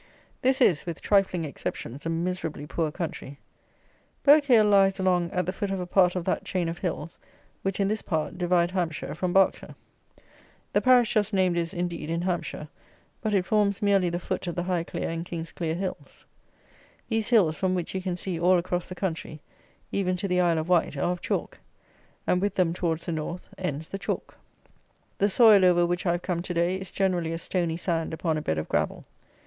This is, with trifling exceptions, a miserably poor country. Burghclere lies along at the foot of a part of that chain of hills, which, in this part, divide Hampshire from Berkshire. The parish just named is, indeed, in Hampshire, but it forms merely the foot of the Highclere and Kingsclere Hills. These hills, from which you can see all across the country, even to the Isle of Wight, are of chalk, and with them, towards the North, ends the chalk. The soil over which I have come to day, is generally a stony sand upon a bed of gravel.